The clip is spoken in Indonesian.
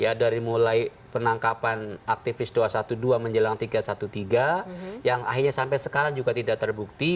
ya dari mulai penangkapan aktivis dua ratus dua belas menjelang tiga ratus tiga belas yang akhirnya sampai sekarang juga tidak terbukti